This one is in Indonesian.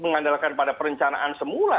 mengandalkan pada perencanaan semula